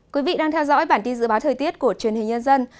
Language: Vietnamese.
quý vị đang theo dõi bản tin dự báo thời tiết của truyền hình nhân dân